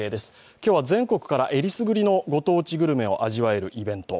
今日は全国から選りすぐりのご当地グルメが味わえるところ。